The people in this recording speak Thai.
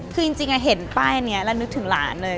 คือจริงเห็นป้ายนี้แล้วนึกถึงหลานเลย